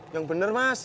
yang bener mas